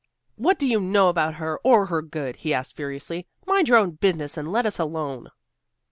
"What do you know about her, or her good?" he asked furiously. "Mind your own business and let us alone."